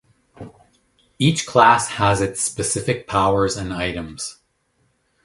Each class has its specific powers and items.